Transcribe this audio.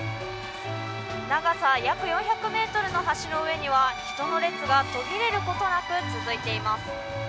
長さ約４００ｍの橋の上には人の列が途切れることなく続いています。